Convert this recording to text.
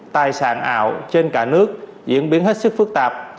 tài sản ảo trên cả nước diễn biến hết sức phức tạp